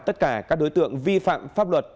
tất cả các đối tượng vi phạm pháp luật